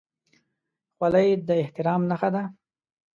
خولۍ د احترام نښه ده.